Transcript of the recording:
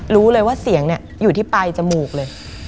รู้เลยว่าเสียงเนี่ยอยู่ที่ปลายจมูกเลย